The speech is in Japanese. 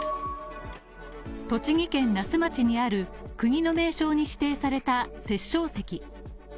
栃木県那須町にある国の名勝に指定された殺生石。